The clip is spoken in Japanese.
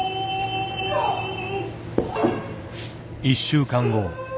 １週間後。